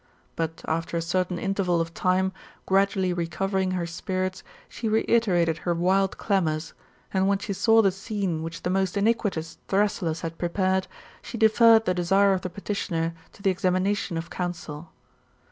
But after a certain interval of time, gradually recovering her spirits, she reiterated her wild clamours, and when she saw the scene which the most iniquitons Thrasyllus had prepared, she deferred the desire of the petitioner to the examination of counsel.